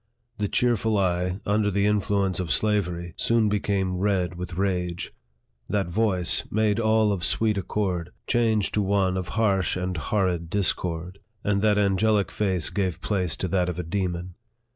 That cheerful eye, under the influence of slavery, soon became red with rage ; that voice, LIFE OF FREDERICK DOUGLASS. 33 made all of sweet accord, changed to one of harsh and horrid discord ; and that angelic face gave place to that of a demon.